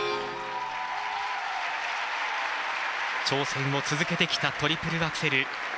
挑戦を続けてきたトリプルアクセル。